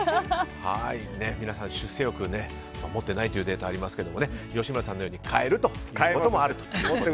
皆さん、出世欲持っていないというデータがありますけども吉村さんのように買えるということもあると。